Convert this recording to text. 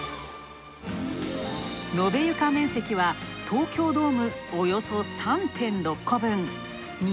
延べ床面積は東京ドームおよそ３．６個分。